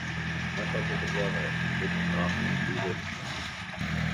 Нашата држава ја чека правна криза или транзиција.